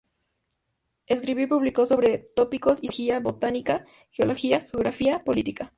Escribió y publicó sobre tópicos de zoología, botánica, geología, geografía, política.